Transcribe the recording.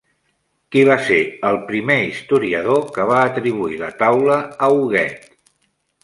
Qui va ser el primer historiador que va atribuir la taula a Huguet?